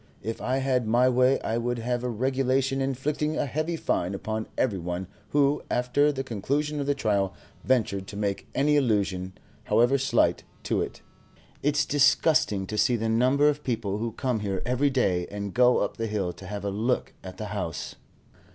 If I had my way, I would have a regulation inflicting a heavy fine upon every one who after the conclusion of the trial ventured to make any allusion, however slight, to it. It's disgusting to see the number of people who come here every day and go up the hill to have a look at the house."